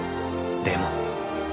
でも。